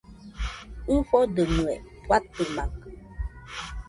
ɨfodɨmɨe fatɨmakɨ